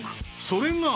それが］